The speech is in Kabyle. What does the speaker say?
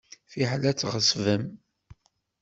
Fiḥel ad tɣeṣbem.